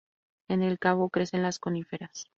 En el cabo crecen las coníferas.